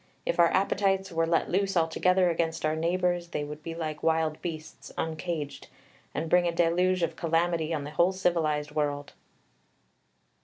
If our appetites were let loose altogether against our neighbours, they would be like wild beasts uncaged, and bring a deluge of calamity on the whole civilised world."